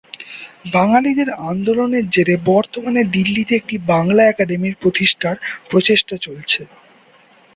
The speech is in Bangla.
বাঙালিদের আন্দোলনের জেরে বর্তমানে দিল্লিতে একটি বাংলা একাডেমি প্রতিষ্ঠার প্রচেষ্টা চলছে।